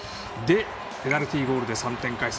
ペナルティーゴールで３点返す。